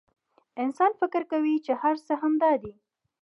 انسان فکر کوي چې هر څه همدا دي.